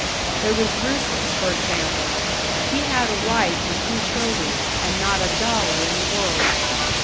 There was Rusick, for example; he had a wife and two children, and not a dollar in the world.